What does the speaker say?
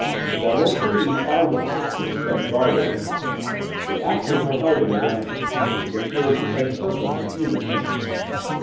Several trees armed with axes kept guard over me. The axes were held in the branches, which served the same purpose as human hands.